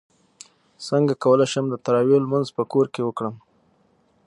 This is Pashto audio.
څنګه کولی شم د تراویحو لمونځ په کور کې وکړم